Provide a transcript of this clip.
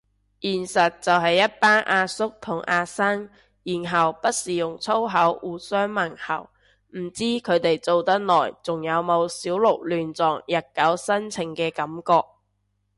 現實就係一班阿叔同阿生，然後不時用粗口互相問候，唔知佢哋做得耐仲有冇小鹿亂撞日久生情嘅感覺